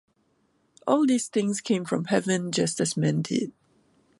All these things came from heaven just as men did.